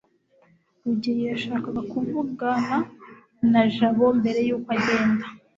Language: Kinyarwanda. rugeyo yashakaga kuvugana na jabo mbere yuko agenda